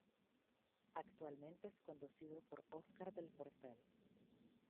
Actualmente es conducido por Óscar del Portal.